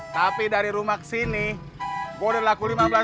tapi dari rumah ke sini udah laku lima belas tahun